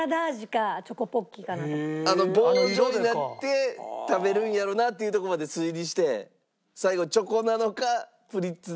あの棒状になって食べるんやろなというとこまで推理して最後チョコなのかプリッツなのかというところで。